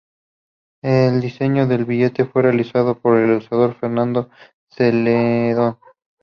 El diseño del billete fue realizado por el ilustrador Fernando Zeledón.